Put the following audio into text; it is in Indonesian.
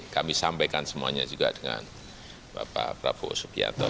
kami sampaikan semuanya juga dengan bapak prabowo subianto